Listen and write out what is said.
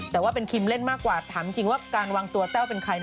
แต่ว่าเป็นคิมเล่นมากกว่าถามจริงว่าการวางตัวแต้วเป็นใคร